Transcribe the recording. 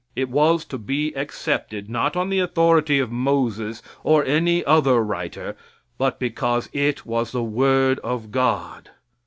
It was to be accepted, not on the authority of Moses, or any other writer, but because it was the word of God.